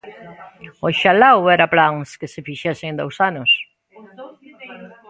¡Oxalá houbera plans que se fixesen en dous anos!